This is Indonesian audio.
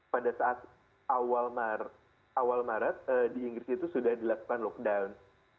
pada saat awal maret di inggris itu sudah dilakukan lockdown